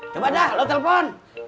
coba dah lu telepon